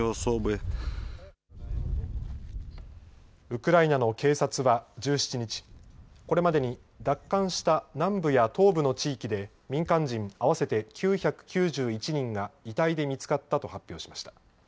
ウクライナの警察は１７日これまでに奪還した南部や東部の地域で民間人合わせて９９１人が遺体で見つかったと発表しました。